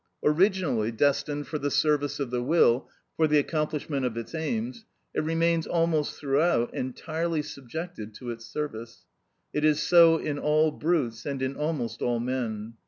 Originally destined for the service of the will for the accomplishment of its aims, it remains almost throughout entirely subjected to its service: it is so in all brutes and in almost all men.